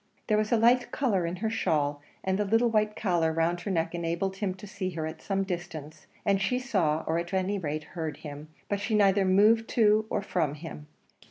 There was a light colour in her shawl, and the little white collar round her neck enabled him to see her at some distance; and she saw, or at any rate heard him, but she neither moved to or from him.